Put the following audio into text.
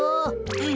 うん。